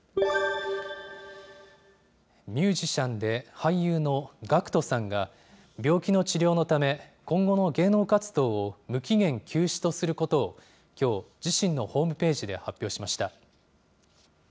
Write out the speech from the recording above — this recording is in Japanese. ミュージシャンで俳優のＧＡＣＫＴさんが、病気の治療のため、今後の芸能活動を無期限休止とすることを、きょう、自身のホームページで発表しました。